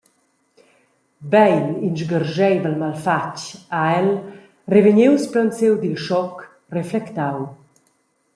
Bein in sgarscheivel malfatg, ha el, revegnius plaunsiu dil schoc, reflectau.